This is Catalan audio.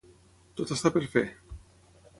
Tot està per fer.